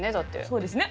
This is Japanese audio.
そうですね。